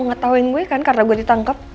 kau ngetauin gue kan karena gue ditangkap